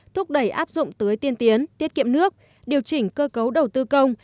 thúc đẩy áp dụng tưới tiên tiến tiết kiệm nước điều chỉnh cơ cấu đầu tư công